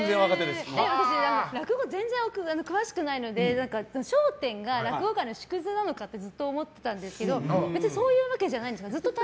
私、落語全然詳しくないので「笑点」が落語界の縮図なのかってずっと思ってたんですけど別にそういうわけじゃないんですか。